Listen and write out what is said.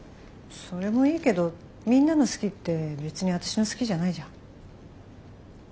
それもいいけどみんなの好きって別に私の好きじゃないじゃん。